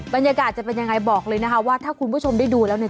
บรรยากาศจะเป็นยังไงบอกเลยนะคะว่าถ้าคุณผู้ชมได้ดูแล้วเนี่ย